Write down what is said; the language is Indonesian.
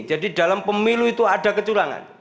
jadi dalam pemilu itu ada kecurangan